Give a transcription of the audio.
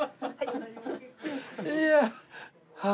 いや。はあ。